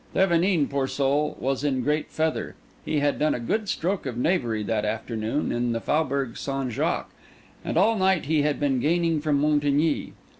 Thevenin, poor soul, was in great feather: he had done a good stroke of knavery that afternoon in the Faubourg St. Jacques, and all night he had been gaining from Montigny.